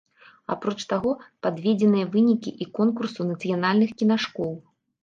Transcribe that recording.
Апроч таго, падведзеныя вынікі і конкурсу нацыянальных кінашкол.